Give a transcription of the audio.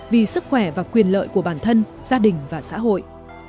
vì sức khỏe và quyền lợi của bản thân gia đình và xã hội